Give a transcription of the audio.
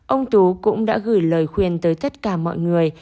ông tú cũng đã gửi lời khuyên tới tất cả mọi người